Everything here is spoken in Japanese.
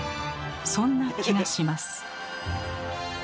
そんな気がします。